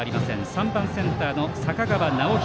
３番、センターの坂川尚仁。